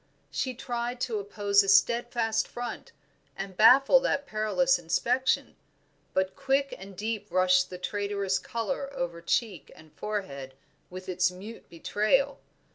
She tried to oppose a steadfast front and baffle that perilous inspection, but quick and deep rushed the traitorous color over cheek and forehead with its mute betrayal.